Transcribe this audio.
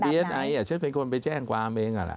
ที่จริงอ่ะดีเอสไออ่ะฉันเป็นคนไปแจ้งความเองอ่ะล่ะ